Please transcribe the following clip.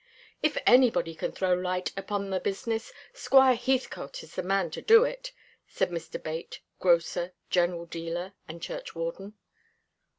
"If anybody can throw light upon the business, Squire Heathcote is the man to do it," said Mr. Bate, grocer, general dealer, and churchwarden.